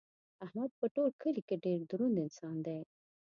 احمد په ټول کلي کې ډېر دروند انسان دی.